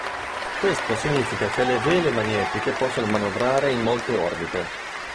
Questo significa che le vele magnetiche possono manovrare in molte orbite.